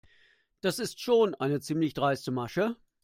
Das ist schon eine ziemlich dreiste Masche.